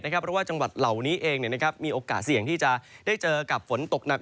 เพราะว่าจังหวัดเหล่านี้เองมีโอกาสเสี่ยงที่จะได้เจอกับฝนตกหนัก